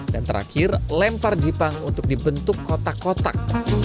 dan terakhir lempar jipang untuk dibentuk kotak kotak